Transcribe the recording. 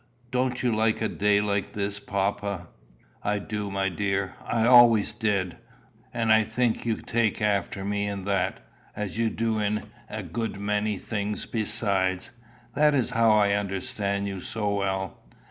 Don't you like a day like this, papa?" "I do, my dear. I always did. And I think you take after me in that, as you do in a good many things besides. That is how I understand you so well."